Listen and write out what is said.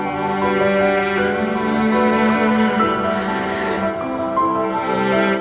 mama gak tau